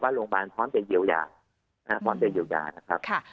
ว่าโรงพยาบาลพอมแบรเยียวยา